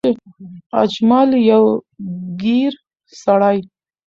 اجمل يو ګېر سړی